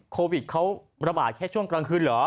โควิดเขาระบาดแค่ช่วงกลางคืนเหรอ